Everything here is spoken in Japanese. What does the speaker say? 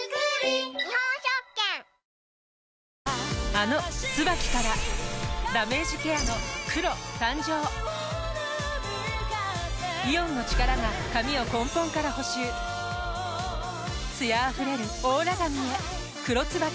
あの「ＴＳＵＢＡＫＩ」からダメージケアの黒誕生イオンの力が髪を根本から補修艶あふれるオーラ髪へ「黒ＴＳＵＢＡＫＩ」